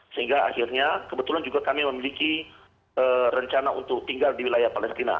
sehingga akhirnya kebetulan juga kami memiliki rencana untuk tinggal di wilayah palestina